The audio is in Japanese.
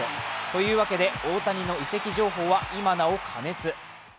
というわけで大谷の移籍情報は今なお過熱。